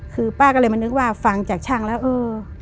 คือป้าก็เลยมานึกว่าฟังจากช่างแล้วเออ